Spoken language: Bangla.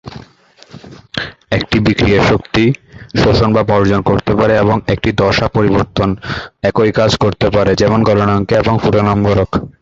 একটি বিক্রিয়া শক্তি শোষণ বা বর্জন করতে পারে, এবং একটি দশা পরিবর্তন একই কাজ করতে পারে, যেমন গলনাঙ্ক এবং স্ফুটনম্বরক।